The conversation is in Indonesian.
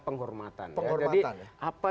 penghormatan jadi apa